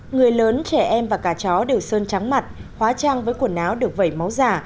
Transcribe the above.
người lớn trẻ em và cả chó đều sơn trắng mặt hóa trang với quần áo được vẩy máu giả